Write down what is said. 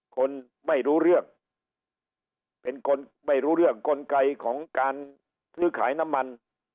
คนไม่รู้เรื่องเป็นคนไม่รู้เรื่องกลไกของการซื้อขายน้ำมัน